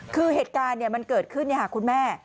คือเหตุการณ์เนี่ยมันเกิดขึ้นเนี่ยคุณแม่